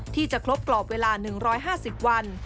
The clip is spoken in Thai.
ที่จะครบกรอบเวลา๑๕๐วัน